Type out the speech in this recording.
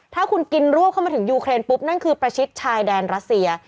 ถ้าคุณกินรวบเข้ามาถึงยูเครนปุ๊บนั่นคือประชิดชายแดนรัสเซีย